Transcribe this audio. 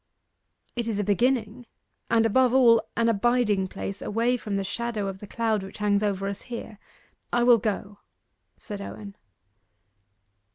'It is a beginning, and, above all, an abiding place, away from the shadow of the cloud which hangs over us here I will go,' said Owen.